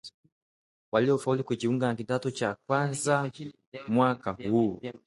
waliofaulu kujiunga na kidato cha kwanza mwaka huu